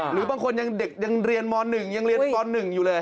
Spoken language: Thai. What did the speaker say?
หรือบางคนยังเด็กยังเรียนม๑ยังเรียนป๑อยู่เลย